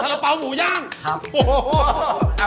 สระเป๋าหมูย่างครับ